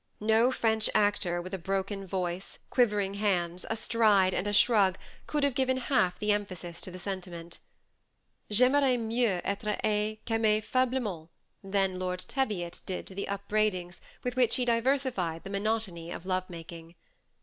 No French actor with a broken voice, quivering hands, a stride, and a shrug, could have given half the emphasis to the sentiment, "J'aimerais mieux etre hai qu'aim^ faiblement," than Lord Teviot did to the upbraidings with which he diversified the monotony of love making.